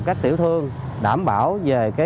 các tiểu thương đảm bảo về